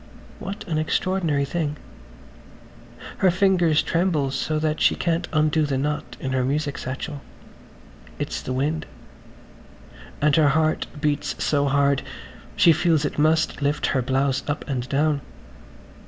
What an extraordinary thing. Her fingers tremble so that she can't undo the knot in the music satchel. It's the wind. ... And her heart beats so hard she feels it must lift her blouse up and down.